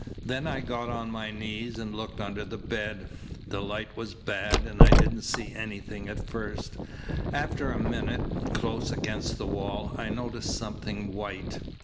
Then I got on my knees and looked under the bed. The light was bad and I didn't see anything at first. After a minute, close against the wall, I noticed something white.